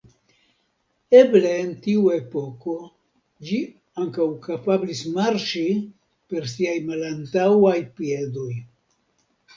Eble en tiu epoko ĝi ankaŭ kapablis marŝi per siaj malantaŭaj piedoj.